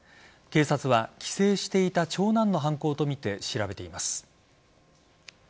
警察は帰省していた長男の犯行とみて調べています。